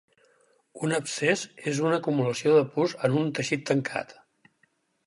Un abscés és una acumulació de pus en un teixit tancat.